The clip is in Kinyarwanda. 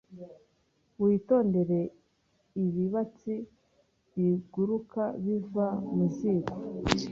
Witondere ibibatsi biguruka biva mu ziko!